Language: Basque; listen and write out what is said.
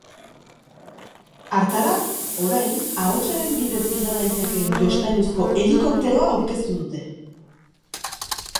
Hartara, orain, ahotsaren bidez gida daitekeen jostailuzko helikopteroa aurkeztu dute.